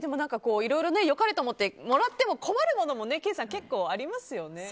いろいろ良かれと思ってもらっても困るものもケイさん、結構ありますよね。